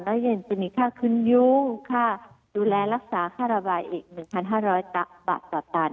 แล้วเย็นจะมีค่าขึ้นยุ่งค่าดูแลรักษาค่าระบายอีก๑๕๐๐บาทต่อตัน